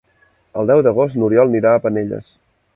El deu d'agost n'Oriol irà a Penelles.